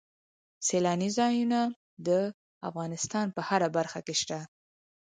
سیلاني ځایونه د افغانستان په هره برخه کې شته.